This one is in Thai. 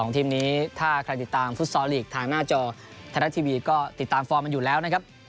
ทีมนี้ถ้าใครติดตามฟุตซอลลีกทางหน้าจอไทยรัฐทีวีก็ติดตามฟอร์มมันอยู่แล้วนะครับ